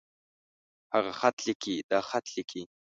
هغۀ خط ليکي. دا خط ليکي.